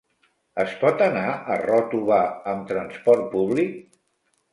Es pot anar a Ròtova amb transport públic?